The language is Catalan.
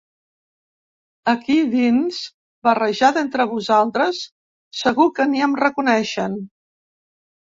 Aquí dins, barrejada entre vosaltres, segur que ni em reconeixen.